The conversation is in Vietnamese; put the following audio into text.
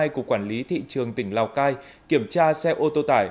của quản lý thị trường tỉnh lào cai kiểm tra xe ô tô tải